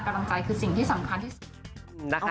กำลังใจคือสิ่งที่สำคัญที่สุดนะคะ